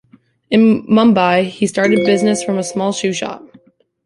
In Mumbai he started business from a small shoe shop.